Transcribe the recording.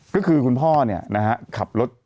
ก็คือคุณพ่อเนี่ยนะฮะขับรถ